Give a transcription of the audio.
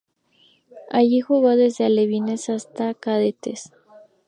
Allí jugó desde alevines hasta cadetes.